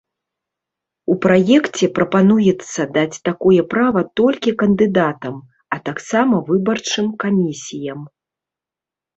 У праекце прапануецца даць такое права толькі кандыдатам, а таксама выбарчым камісіям.